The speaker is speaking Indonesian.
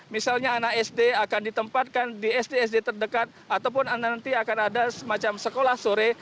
misalnya anak sd akan ditempatkan di sd sd terdekat ataupun nanti akan ada semacam sekolah sore